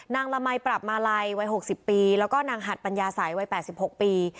ละมัยปรับมาลัยวัย๖๐ปีแล้วก็นางหัดปัญญาสัยวัย๘๖ปี